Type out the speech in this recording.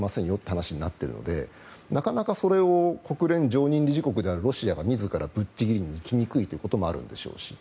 話になっているので、なかなかそれを国連の常任理事国であるロシアが自らぶっちぎりに行きにくいというところもあるでしょうし。